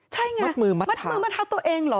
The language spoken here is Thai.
ใช่ไงมัดมือมัดทาตัวเองเหรอ